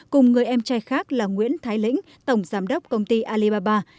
cùng người em trai khác là nguyễn thái lĩnh tổng giám đốc công ty alibaba